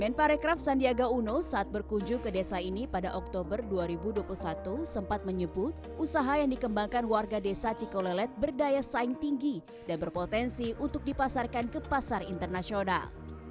men parekraf sandiaga uno saat berkunjung ke desa ini pada oktober dua ribu dua puluh satu sempat menyebut usaha yang dikembangkan warga desa cikolelet berdaya saing tinggi dan berpotensi untuk dipasarkan ke pasar internasional